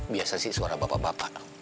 biasa sih suara bapak bapak